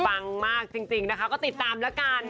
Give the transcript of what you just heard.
ฝังมากจริงนะคะติดตามละกัน